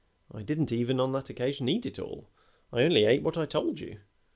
I didn't even on that occasion eat it all I only ate what I told you.